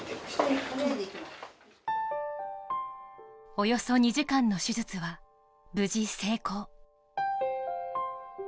およそ２時間の手術は無事成功。